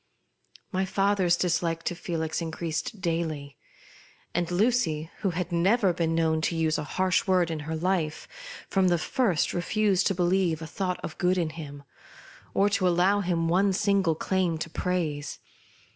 My father's dislike to Felix increased daily ; and Lucy, who had never been known to use a harsh word in her life, from the first re fused to believe a thought of good in him, or to allow him one single claim to praise.